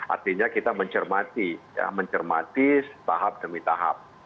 artinya kita mencermati mencermati tahap demi tahap